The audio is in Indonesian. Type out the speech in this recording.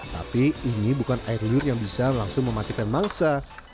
tapi ini bukan air liur yang bisa langsung mematikan mangsa